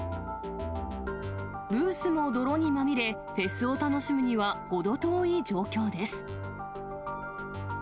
ブースも泥にまみれ、フェスを楽しむには程遠い状況です。